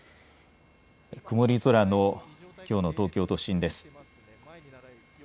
曇り空のきょうの東京都心です。